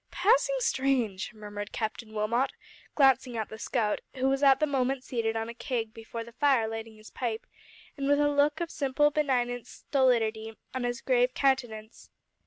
"Passing strange!" murmured Captain Wilmot, glancing at the scout, who was at the moment seated on a keg before the fire lighting his pipe, and with a look of simple benignant stolidity on his grave countenance.